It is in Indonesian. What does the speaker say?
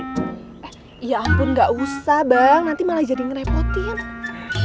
eh ya ampun gak usah bang nanti malah jadi ngerepotin